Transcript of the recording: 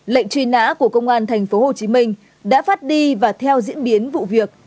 lệnh truy nã của công an thành phố hồ chí minh đã phát đi và theo diễn biến vụ việc